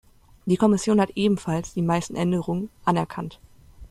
Die Kommission hat ebenfalls die meisten Änderungen anerkannt.